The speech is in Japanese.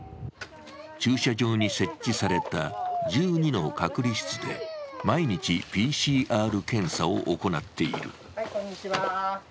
駐車場に設置された１２の隔離室で毎日ＰＣＲ検査を行っている。